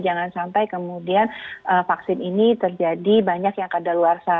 jangan sampai kemudian vaksin ini terjadi banyak yang kadaluarsa